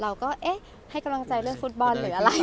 เราก็ให้กำลังใจเรื่องฟุตบอล